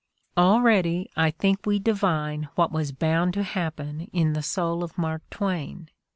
Already I think we divine what was bound to happen in the soul of Mark Twain.